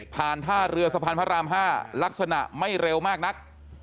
ท่าเรือสะพานพระราม๕ลักษณะไม่เร็วมากนัก